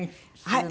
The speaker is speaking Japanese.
はい。